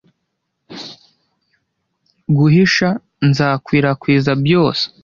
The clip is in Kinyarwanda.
guhisha. nzakwirakwiza byose